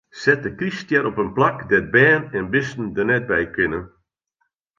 Set de kryststjer op in plak dêr't bern en bisten der net by kinne.